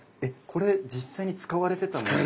これ実際に使われてたんですか？